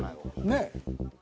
ねえ。